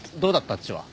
あっちは。